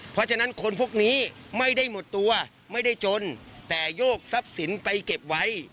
เพราะฉะนั้นคนพวกนี้ไม่ได้หมดตัวไม่ได้จนแต่โยกทรัพย์สินไปเก็บไว้